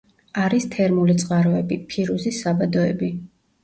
არის თერმული წყაროები, ფირუზის საბადოები.